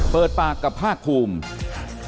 เปิดปากกับภาคภูมิ